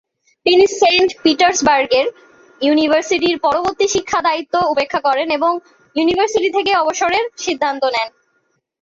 তিনি সেন্ট পিটার্সবার্গের ইউনিভার্সিটির পরবর্তী শিক্ষা দায়িত্ব উপেক্ষা করেন এবং ইউনিভার্সিটি থেকে অবসরের সিদ্ধান্ত নেন।